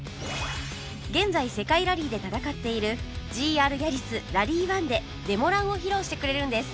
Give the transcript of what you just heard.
現在世界ラリーで戦っている ＧＲ ヤリス Ｒａｌｌｙ１ でデモランを披露してくれるんです